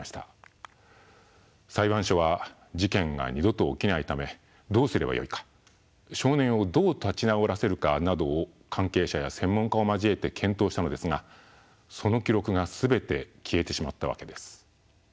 裁判所は事件が二度と起きないためどうすればよいか少年をどう立ち直らせるかなどを関係者や専門家を交えて検討したのですがその記録が全て消えてしまったわけです。